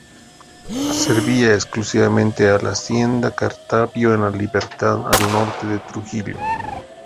Servía exclusivamente a la hacienda Cartavio en La Libertad, al norte de Trujillo.